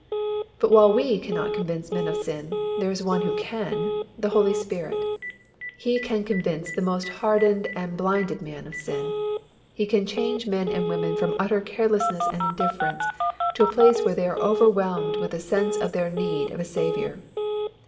But while we cannot convince men of sin, there is One who can, the Holy Spirit. He can convince the most hardened and blinded man of sin. He can change men and women from utter carelessness and indifference to a place where they are overwhelmed with a sense of their need of a Saviour.